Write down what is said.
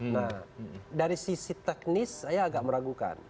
nah dari sisi teknis saya agak meragukan